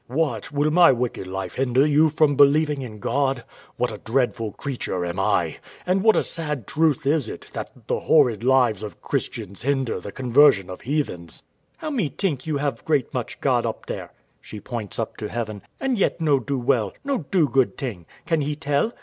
W.A. What, will my wicked life hinder you from believing in God? What a dreadful creature am I! and what a sad truth is it, that the horrid lives of Christians hinder the conversion of heathens! Wife. How me tink you have great much God up there [she points up to heaven], and yet no do well, no do good ting? Can He tell?